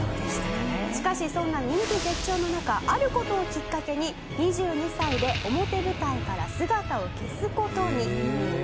「しかしそんな人気絶頂の中ある事をきっかけに２２歳で表舞台から姿を消す事に」